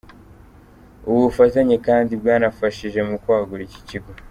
Ubu bufatanye kandi bwanafashije mu kwagura iki kigo.